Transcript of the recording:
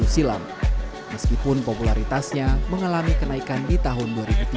dua ribu tujuh silam meskipun popularitasnya mengalami kenaikan di tahun